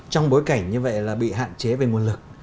trong bối cảnh như vậy là bị hạn chế về nguồn lực